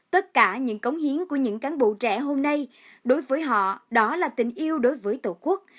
tất cả những cống hiến của những cán bộ trẻ hôm nay đối với họ đó là tình yêu đối với tổ quốc